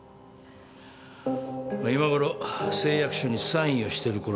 今頃誓約書にサインをしてるころだ。